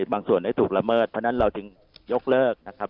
บางส่วนได้ถูกละเมิดเพราะฉะนั้นเราจึงยกเลิกนะครับ